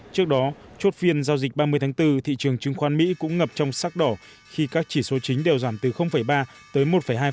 trước đó chốt phiên giao dịch ba mươi tháng bốn thị trường chứng khoán mỹ cũng ngập trong sắc đỏ khi các chỉ số chính đều giảm từ ba tới một hai